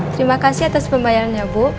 terima kasih atas pembayarannya bu